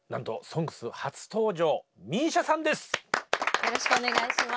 よろしくお願いします。